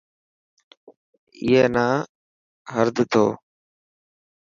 اي نا هرد تو.